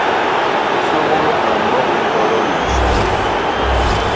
Sôgôl a mboñ ntodo ni liseñg.